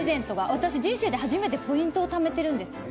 私、人生で初めてポイントをためてるんです。